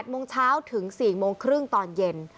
โมงเช้าถึง๔โมงครึ่งตอนเย็น